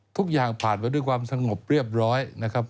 ทุกอย่างผ่านไปด้วยความสงบเรียบร้อยนะครับ